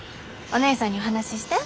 おねえさんにお話しして。